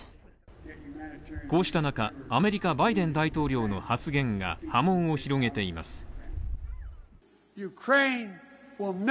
こうした中、アメリカ、バイデン大統領の発言が波紋を広げています。